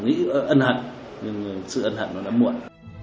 nhưng sự ấn hận nó đã muộn